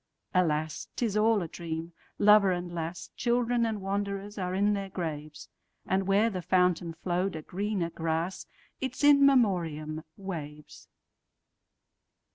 Alas! 't is all a dream. Lover and lass, Children and wanderers, are in their graves; And where the fountain flow'd a greener grass—Its In Memoriam—waves.